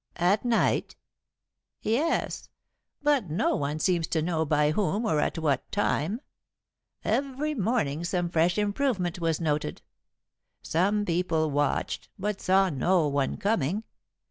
"At night?" "Yes; but no one seems to know by whom or at what time. Every morning some fresh improvement was noted. Some people watched, but saw no one coming.